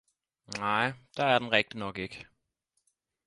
Nej, der er den rigtignok ikke!